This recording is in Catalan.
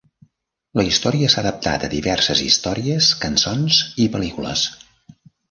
La història s'ha adaptat a diverses històries, cançons i pel·lícules.